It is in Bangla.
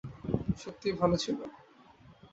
সত্যিই ভালো ছিল।